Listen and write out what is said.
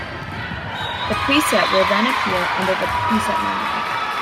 The preset will then appear under the preset menu.